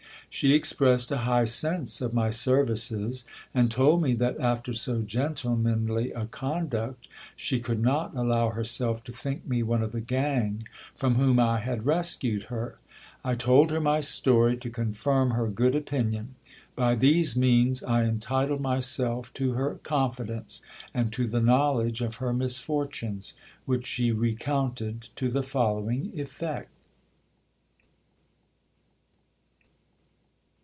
She expressed a high sense of my services, and told me that after so gentlemanly a conduct, she could not allow herself to think me one of the gang from whom I had rescued her. 1 told her my story to confirm her good opinion. By these means I entitled myself to her confidence, and to the knowledge of her misfortunes, which she recounted to the following effect.